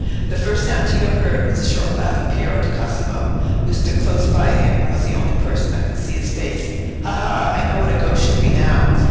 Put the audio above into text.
The first sound Tito heard was the short laugh of Piero di Cosimo, who stood close by him and was the only person that could see his face. "Ha, ha! I know what a ghost should be now."